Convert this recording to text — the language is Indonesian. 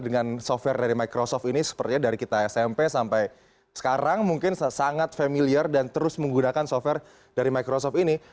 dengan software dari microsoft ini sepertinya dari kita smp sampai sekarang mungkin sangat familiar dan terus menggunakan software dari microsoft ini